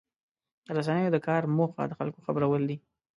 د رسنیو د کار موخه د خلکو خبرول دي.